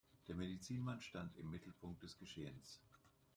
Der Medizinmann stand im Mittelpunkt des Geschehens.